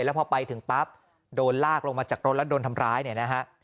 แล้วพอไปถึงปั๊บโดนลากลงมาจากรถแล้วโดนทำร้ายเนี่ยนะฮะ